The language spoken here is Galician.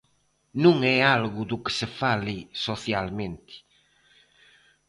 Non é algo do que se fale socialmente.